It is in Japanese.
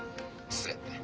「失礼。